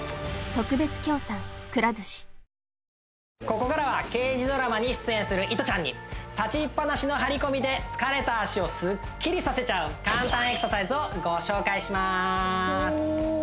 ここからは刑事ドラマに出演するいとちゃんに立ちっ放しの張り込みで疲れた脚をスッキリさせちゃう簡単エクササイズをご紹介しますお！